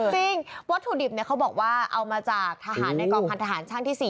ซึ่งวัตถุดิบเขาบอกว่าเอามาจากทหารในกองพันธหารช่างที่๔